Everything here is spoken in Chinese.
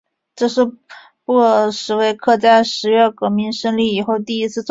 这是布尔什维克在十月革命胜利以后第一次召开的代表大会。